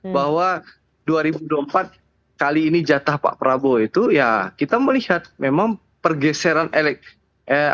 bahwa dua ribu dua puluh empat kali ini jatah pak prabowo itu ya kita melihat memang pergeseran elektabilitas